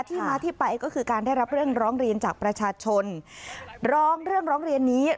ที่มาที่ไปก็คือการได้รับเรื่องร้องเรียนจากประชาชนร้องเรื่องร้องเรียนนี้